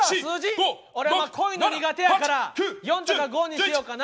俺は濃いの苦手やから４とか５にしようかな。